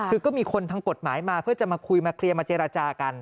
คือก็มีคนทางกฎหมายมาเพื่อจะมาคุยมาเคลียร์มาเจรจากัน